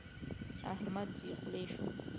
احمد بې خولې شو.